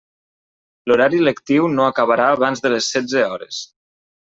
L'horari lectiu no acabarà abans de les setze hores.